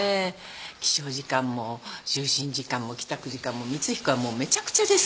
起床時間も就寝時間も帰宅時間も光彦はもうめちゃくちゃですから。